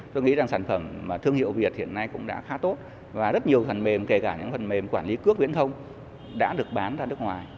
tôi nghĩ rằng sản phẩm thương hiệu việt hiện nay cũng đã khá tốt và rất nhiều phần mềm kể cả những phần mềm quản lý cước viễn thông đã được bán ra nước ngoài